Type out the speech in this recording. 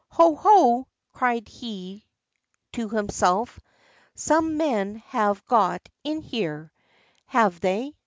"Ho! ho!" cried he to himself, "some men have got in here, have they?